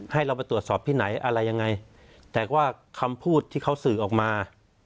ให้เราไปตรวจสอบที่ไหนอะไรยังไงแต่ว่าคำพูดที่เขาสื่อออกมา